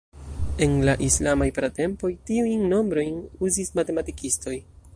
En la islamaj pratempoj, tiujn nombrojn uzis matematikistoj.